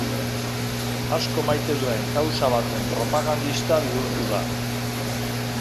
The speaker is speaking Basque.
Asko maite duen kausa baten propagandista bihurtu da.